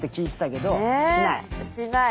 しない。